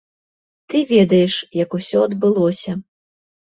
Ты ведаеш, як усё адбылося.